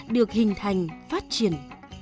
được hình thành phát triển